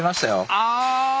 ああ。